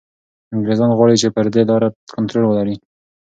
انګریزان غواړي چي پر دې لاره کنټرول ولري.